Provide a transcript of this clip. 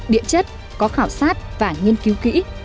địa chất có khảo sát và nghiên cứu kỹ